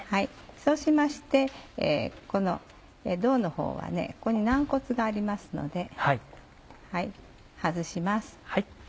そうしましてこの胴のほうはここに軟骨がありますので外します。